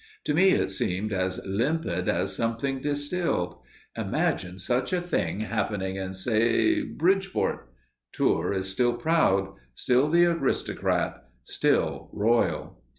To me it seemed as limpid as something distilled. Imagine such a thing happening in say Bridgeport. Tours is still proud, still the aristocrat, still royal.